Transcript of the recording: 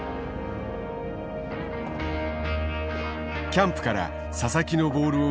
キャンプから佐々木のボールを受け